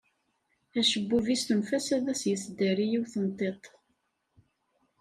Acebbub-is tunef-as ad as-yesdari yiwet n tiṭ.